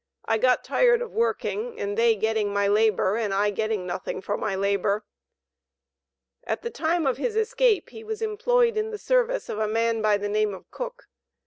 I got tired of working and they getting my labor and I getting nothing for my labor." At the time of his escape, he was employed in the service of a man by the name of Cook.